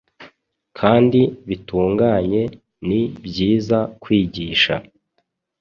kandi bitunganye Ni byiza kwigisha